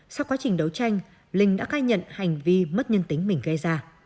sau quá trình đấu tranh linh đã khai nhận hành vi mất nhân tính mình gây ra